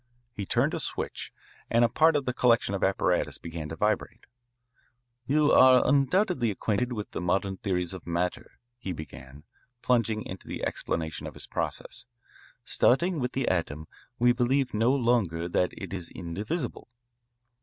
He turned a switch, and a part of the collection of apparatus began to vibrate. "You are undoubtedly acquainted with the modern theories of matter," he began, plunging into the explanation of his process. "Starting with the atom, we believe no longer that it is indivisible.